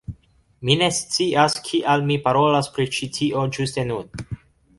Mi ne scias kial mi parolas pri ĉi tio ĝuste nun